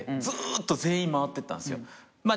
ずーっと全員回ってったんすよ。